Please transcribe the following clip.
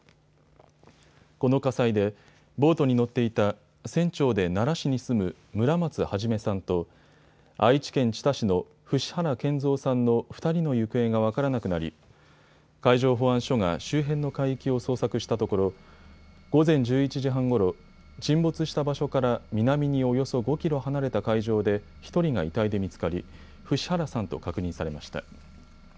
この火災でボートに乗っていた船長で奈良市に住む村松孟さんと愛知県知多市の伏原賢三さんの２人の行方が分からなくなり、海上保安署が周辺の海域を捜索したところ午前１１時半ごろ、沈没した場所から南におよそ５キロ離れた海上で１人が遺体で見つかり伏原さんと確認されました。